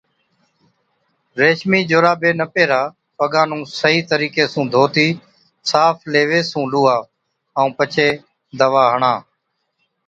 ريشمِي جورابي نہ پيهرا، پگان نُون صحِيح طرِيقي سُون ڌوتِي صاف ليوي سُون لُوها ائُون پڇي دَوا هڻا۔